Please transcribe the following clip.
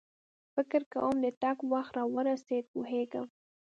فکر کوم د تګ وخت را ورسېد، پوهېږم.